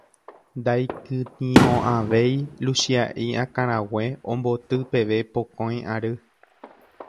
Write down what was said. Ndaikytĩmo'ãvéi Luchia'i akãrague omboty peve pokõi ary.